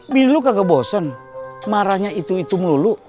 bini lu kagak bosen marahnya itu itu melulu